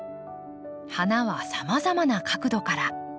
花はさまざまな角度から。